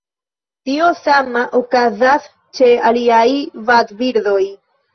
Tio sama okazas ĉe aliaj vadbirdoj.